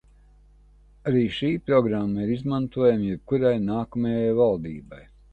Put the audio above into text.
Arī šī programma ir izmantojama jebkurai nākamajai valdībai.